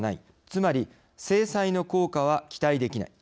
つまり制裁の効果は期待できない。